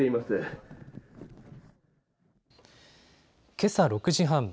けさ６時半。